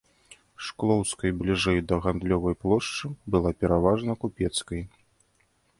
Шклоўскай бліжэй да гандлёвай плошчы была пераважна купецкай.